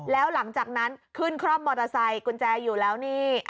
แล้วหลังจากนั้นขึ้นคร่อมมอเตอร์ไซค์กุญแจอยู่แล้วนี่